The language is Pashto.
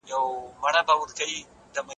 څنګه په ازاده هوا کي قدم وهل رواني ستړیا لري کوي؟